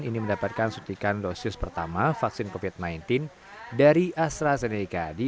ini mendapatkan suntikan dosis pertama vaksin covid sembilan belas dari astrazeneca di